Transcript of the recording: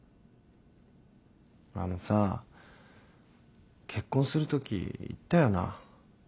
あのさ結婚するとき言ったよな？